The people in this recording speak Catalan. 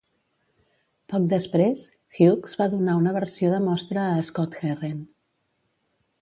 Poc després, Hughes va donar una versió de mostra a Scott Herren.